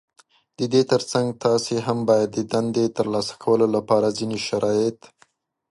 د دې تر څنګ تاسې هم بايد د دندې ترلاسه کولو لپاره ځينې شرايط